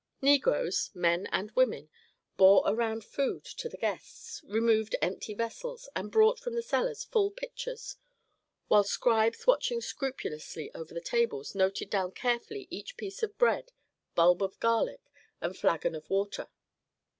Negroes, men and women, bore around food to the guests, removed empty vessels, and brought from the cellars full pitchers, while scribes watching scrupulously over the tables noted down carefully each piece of bread, bulb of garlic, and flagon of water.